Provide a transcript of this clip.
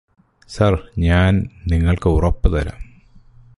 sir ഞാന് നിങ്ങള്ക്ക് ഉറപ്പുതരാം